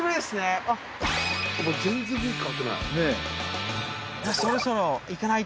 全然雰囲気変わってない。